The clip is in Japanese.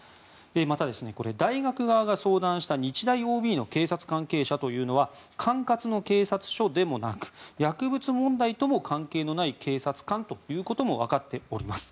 また、大学側が相談した日大ＯＢの警察関係者というのは管轄の警察署でもなく薬物問題とも関係のない警察官ということも分かっています。